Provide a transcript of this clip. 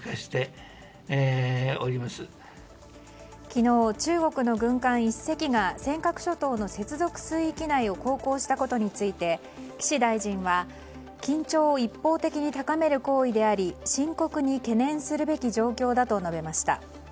昨日、中国の軍艦１隻が尖閣諸島の接続水域内を航行したことについて岸大臣は緊張を一方的に高める行為であり深刻に懸念するべき状況だと述べました。